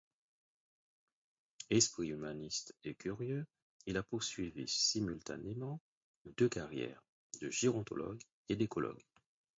Esprit humaniste et curieux, il a poursuivi simultanément deux carrières, de gérontologue et d'écologue.